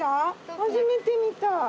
初めて見た。